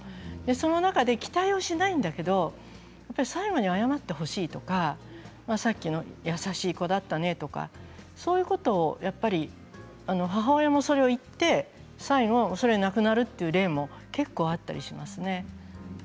その中で期待しないんだけれど最後には謝ってほしいとかさっきの優しい子だったねとかそういうことを母親もそれを言って最期それで亡くなるという例も結構あったりしますね。